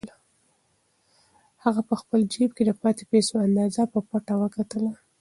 هغه په خپل جېب کې د پاتې پیسو اندازه په پټه وکتله.